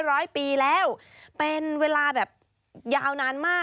เป็นร้อยปีแล้วเป็นเวลายาวนานมาก